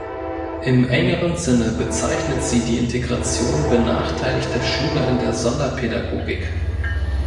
Im engeren Sinne bezeichnet sie die Integration benachteiligter Schüler in der Sonderpädagogik.